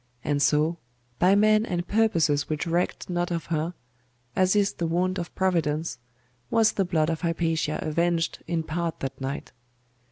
And so, by men and purposes which recked not of her, as is the wont of Providence, was the blood of Hypatia avenged in part that night.